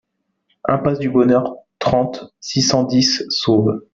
Impasse du Bonheur, trente, six cent dix Sauve